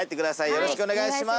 よろしくお願いします。